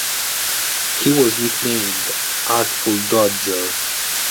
He was nicknamed Artful Dodger.